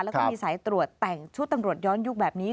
แล้วก็มีสายตรวจแต่งชุดตำรวจย้อนยุคแบบนี้